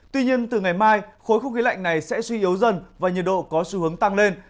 tuy nhiên từ ngày mai khối không khí lạnh này sẽ suy yếu dần và nhiệt độ có xu hướng tăng lên